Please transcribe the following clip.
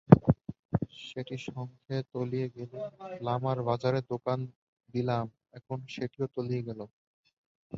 সেটি শঙ্খে তলিয়ে গেলে লামার বাজারে দোকান দিলাম, এখন সেটিও তলিয়ে গেল।